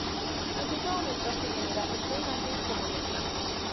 Desde ese momento, se venera esta imagen como Ntra.